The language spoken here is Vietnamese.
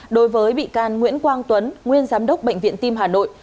đối với bị can nguyễn quang tuấn nguyên giám đốc bệnh viện tim hà nội